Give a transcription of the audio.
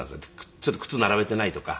ちょっと靴並べていないとか。